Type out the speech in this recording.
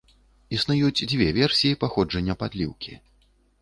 Існуюць дзве версіі паходжання падліўкі.